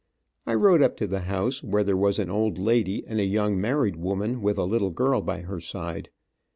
I rode up to the house, where there was an old lady and a young married woman with a little girl by her side.